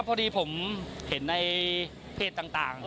พอดีผมเห็นในเพจต่าง